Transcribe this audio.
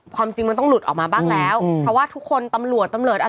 ความจริงมันต้องหลุดออกมาบ้างแล้วเพราะว่าทุกคนตำรวจตำรวจอะไร